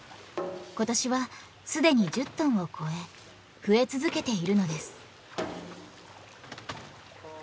今年はすでに１０トンを超え増え続けているのです。